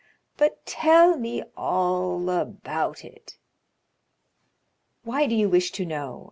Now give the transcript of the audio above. But tell me all about it?" "Why do you wish to know?"